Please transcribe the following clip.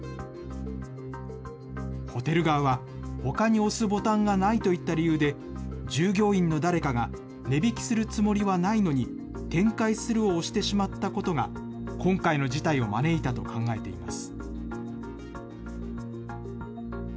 ホテル側はほかに押すボタンがないといった理由で、従業員の誰かが、値引きするつもりはないのに、展開するを押してしまったことが、今回の事態を招いたと考えています。